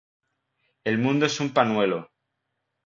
El mundo es un panuelo.